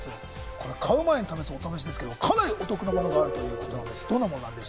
買う前に試す、お試しですけど、かなりお得なものがあるということです。